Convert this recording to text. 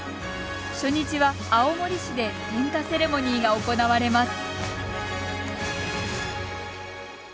初日は青森市で点火セレモニーが行われます。